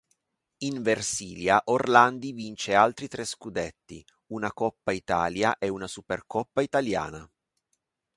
In versilia Orlandi vince altri tre scudetti, una coppa Italia e una supercoppa italiana.